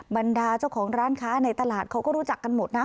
บรรดาเจ้าของร้านค้าในตลาดเขาก็รู้จักกันหมดนะ